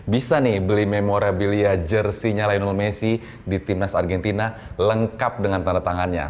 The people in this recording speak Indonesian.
bisa nih beli memorabilia jersinya lionel messi di timnas argentina lengkap dengan tanda tangannya